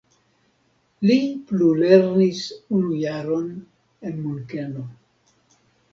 Li plulernis unu jaron en Munkeno.